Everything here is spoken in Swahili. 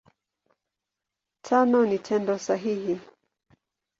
Tano ni Tendo sahihi.